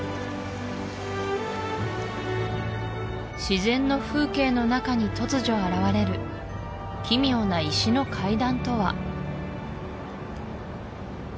自然の風景の中に突如現れる奇妙な石の階段とは？